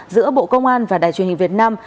giữa bộ công an và đài truyền hình việt nam